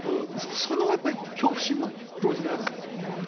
その恐怖心も同時にあるんですよね。